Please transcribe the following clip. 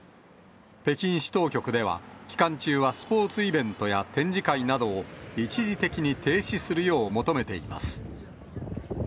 北京市当局では、期間中はスポーツイベントや展示会などを、一時的に停止するよう求めています。